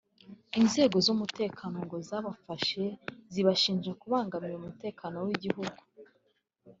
Inzego z’umutekano ngo zabafashe zibashinja kubangamira umutekano w’igihugu